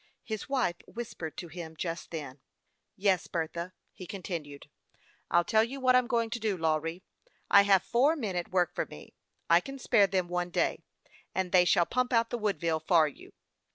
His wife whispered to him just then. " Yes, Bertha," he continued. " I'll tell you what I'm going to do, Lawry. I have four men at work for me. I can spare them one day, and they shall pump out the Woodville for you."